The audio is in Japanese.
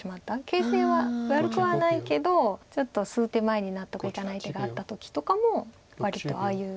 形勢は悪くはないけどちょっと数手前に納得いかない手があった時とかも割とああいう。